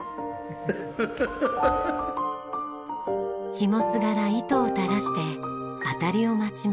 ひもすがら糸を垂らして当たりを待ちます。